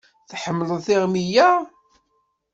Tḥemmleḍ tiɣmi-ya?